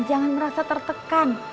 jangan merasa tertekan